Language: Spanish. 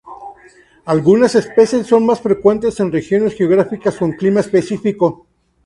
Algunas especies son más frecuentes en regiones geográficas con clima específico.